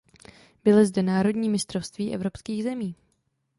Byly zde národní mistrovství evropských zemí.